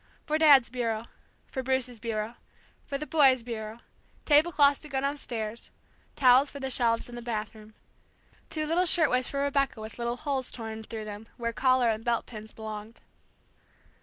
For Dad's bureau for Bruce's bureau for the boys' bureau, table cloths to go downstairs, towels for the shelves in the bathroom. Two little shirtwaists for Rebecca with little holes torn through them where collar and belt pins belonged.